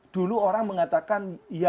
dulu orang mengatakan